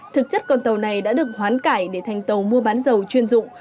thực chất con tàu này đã được hoán cải để thành tàu mua bán dầu chuyên dụng